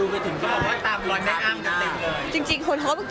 ก็คือพี่ที่อยู่เชียงใหม่พี่ออธค่ะ